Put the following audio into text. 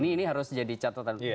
ini harus jadi catatan